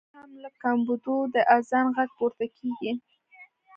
لا یې هم له ګمبدو د اذان غږ پورته کېږي.